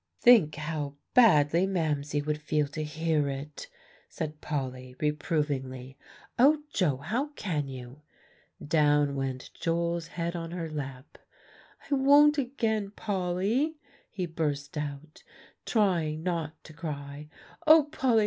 "Think how badly Mamsie would feel to hear it," said Polly reprovingly. "O Joe! how can you?" Down went Joel's head on her lap, "I won't again Polly," he burst out, trying not to cry. "O Polly!